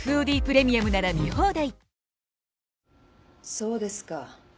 そうですか。